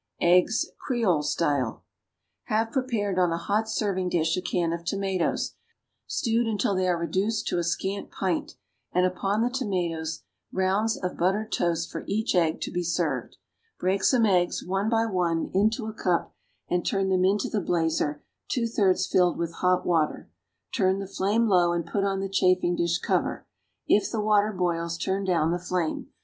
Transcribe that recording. =Eggs.= (Creole style.) Have prepared on a hot serving dish a can of tomatoes, stewed until they are reduced to a scant pint, and upon the tomatoes rounds of buttered toast for each egg to be served. Break some eggs, one by one, into a cup, and turn them into the blazer two thirds filled with hot water; turn the flame low and put on the chafing dish cover; if the water boils, turn down the flame.